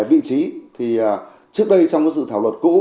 vị trí thì trước đây trong sự thảo luận cũ